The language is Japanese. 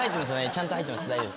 ちゃんと入ってます。